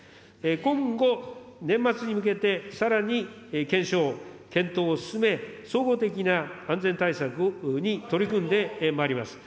今後、年末に向けてさらに検証、検討を進め、総合的な安全対策に取組んでまいります。